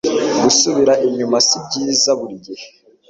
Gusubira inyuma sibyiza burigihe